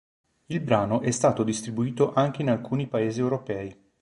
Il brano è stato distribuito anche in alcuni paesi europei.